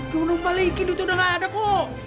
jangan balik duitnya udah gak ada bu